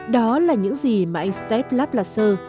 đó là những gì mà anh steph laplasser